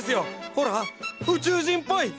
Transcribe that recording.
ほら宇宙人っぽい！